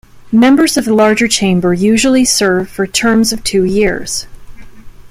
Members of the larger chamber usually serve for terms of two years.